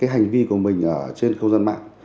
hành vi của mình trên khâu dân mạng